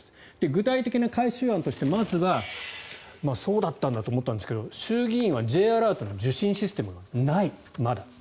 具体的な改修案としてまずはそうだったんだと思ったんですが衆議院はＪアラートの受信システムがない、まだ。